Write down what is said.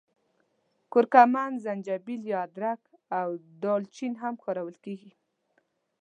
کورکمن، زنجبیل یا ادرک او دال چیني هم کارول کېږي.